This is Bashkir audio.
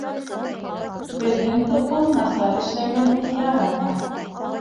Беҙҙең тоҡом насар эшләгәнде яратмай.